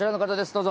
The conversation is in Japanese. どうぞ。